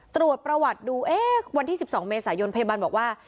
ตรวจประวัติดูเอ๊ะวันที่๑๒เมษายนพยาบาลบอกว่า